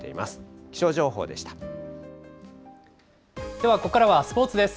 では、ここからはスポーツです。